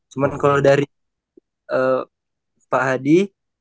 cuma kalau dari pak hadi